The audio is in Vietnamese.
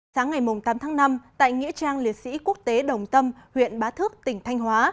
sáng ngày tám tháng năm tại nghĩa trang liệt sĩ quốc tế đồng tâm huyện bá thước tỉnh thanh hóa